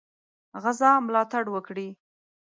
غزا ملاتړ وکړي.